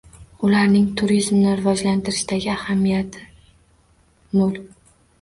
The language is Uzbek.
Ularning turizmni rivojlantirishdagi ahamiyati mo’l.